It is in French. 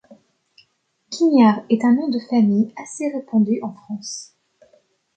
Guignard est un nom de famille assez répandu en France.